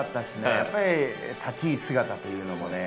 やっぱり立ち居姿というのもね